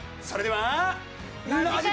それでは。